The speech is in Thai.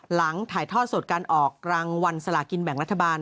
หลังถ่ายทอดสดการออกรางวัลสลากินแบ่งรัฐบาล